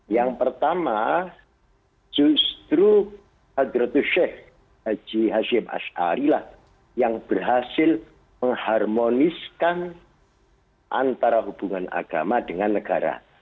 yang pertama justru hadratu sheikh haji hashim ash'arilah yang berhasil mengharmoniskan antara hubungan agama dengan negara